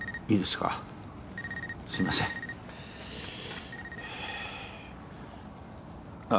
すいませんああ